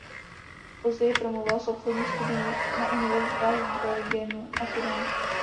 Později promoval z obchodních studií na univerzitách v Bergenu a Kodani.